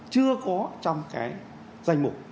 chưa có trong cái danh mục